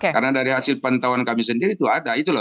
karena dari hasil pantauan kami sendiri itu ada